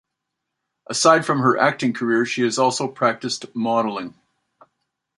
Aside from her acting career she has also practiced modelling.